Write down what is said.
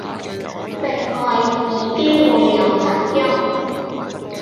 另外耳機會有雜音